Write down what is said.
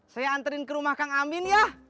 saya anterin ke rumah kang amin ya